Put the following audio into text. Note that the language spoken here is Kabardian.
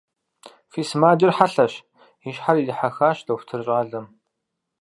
Фи сымаджэр хьэлъэщ, – и щхьэр ирихьэхащ дохутыр щӏалэм.